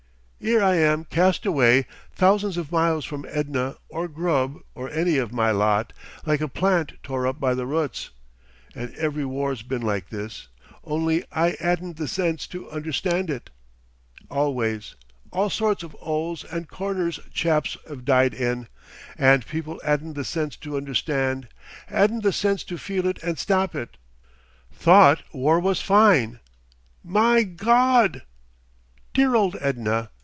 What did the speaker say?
'Ere I am cast away thousands of miles from Edna or Grubb or any of my lot like a plant tore up by the roots.... And every war's been like this, only I 'adn't the sense to understand it. Always. All sorts of 'oles and corners chaps 'ave died in. And people 'adn't the sense to understand, 'adn't the sense to feel it and stop it. Thought war was fine. My Gawd!... "Dear old Edna.